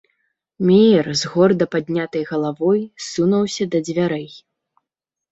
Меер з горда паднятай галавой сунуўся да дзвярэй.